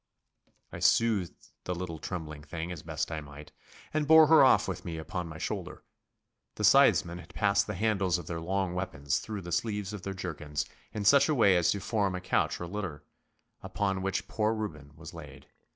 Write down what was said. I soothed the little trembling thing as best I might, and bore her off with me upon my shoulder. The scythesmen had passed the handles of their long weapons through the sleeves of their jerkins in such a way as to form a couch or litter, upon which poor Reuben was laid.